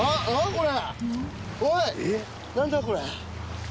これ。